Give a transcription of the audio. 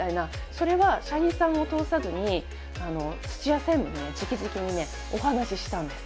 それは社員さんを通さずに土屋専務にじきじきにお話ししたんです。